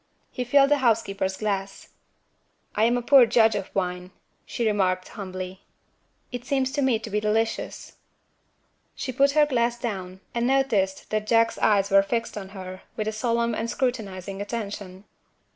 He filled the housekeeper's glass. "I am a poor judge of wine," she remarked humbly. "It seems to me to be delicious." She put her glass down, and noticed that Jack's eyes were fixed on her, with a solemn and scrutinizing attention.